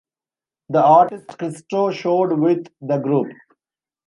The artist Christo showed with the group.